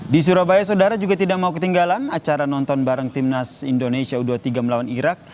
di surabaya saudara juga tidak mau ketinggalan acara nonton bareng timnas indonesia u dua puluh tiga melawan irak